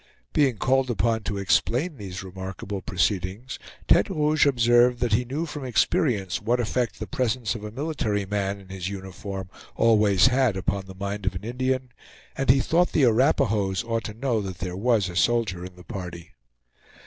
Being called upon to explain these remarkable proceedings, Tete Rouge observed that he knew from experience what effect the presence of a military man in his uniform always had upon the mind of an Indian, and he thought the Arapahoes ought to know that there was a soldier in the party.